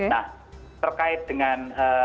nah terkait dengan